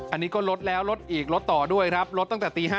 อันนี้ก็ลดแล้วลดอีกลดต่อด้วยครับลดตั้งแต่ตี๕